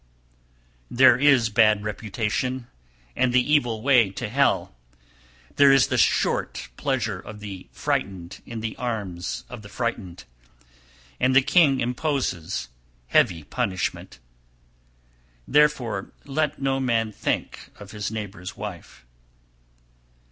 310. There is bad reputation, and the evil way (to hell), there is the short pleasure of the frightened in the arms of the frightened, and the king imposes heavy punishment; therefore let no man think of his neighbour's wife.